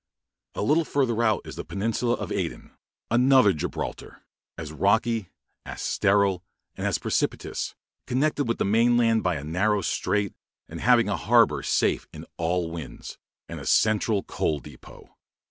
A little farther out is the peninsula of Aden, another Gibraltar, as rocky, as sterile, and as precipitous, connected with the mainland by a narrow strait, and having a harbour safe in all winds, and a central coal depôt.